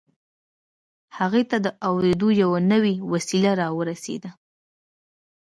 هغه ته د اورېدلو يوه نوې وسيله را ورسېده.